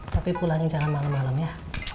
tapi pulangin jalan malam malam ya